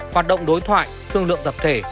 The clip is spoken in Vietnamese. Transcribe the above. hoạt động đối thoại thương lượng tập thể